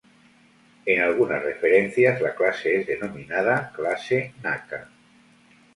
En algunas referencias la clase es denominada "clase Naka".